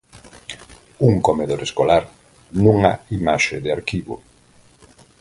Un comedor escolar, nunha imaxe de arquivo.